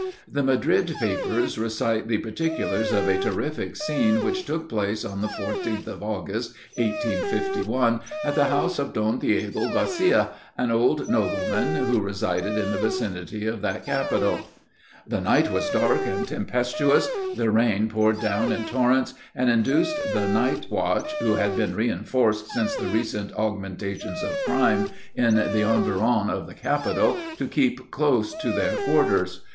The Madrid papers recite the particulars of a terrific scene which took place on the 14th of August, 1851, at the house of Don Diego Garcia, an old nobleman, who resided in the vicinity of that capital: The night was dark and tempestuous. The rain poured down in torrents, and induced the night watch, who had been reinforced since the recent augmentations of crime in the environs of the capital, to keep close to their quarters.